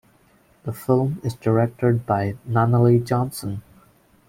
The film is directed by Nunnally Johnson.